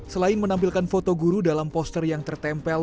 selain menampilkan foto guru dalam poster yang tertempel